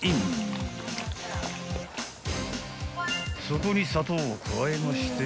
［そこに砂糖を加えまして］